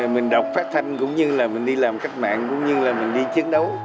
mình đọc phát thanh cũng như là mình đi làm cách mạng cũng như là mình đi chiến đấu